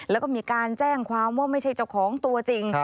แล้วก็มีการแจ้งความว่าไม่ใช่เจ้าของตัวจริง